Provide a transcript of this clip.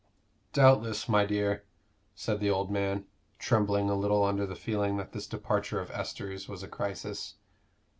"Doubtless, my dear," said the old man, trembling a little under the feeling that this departure of Esther's was a crisis.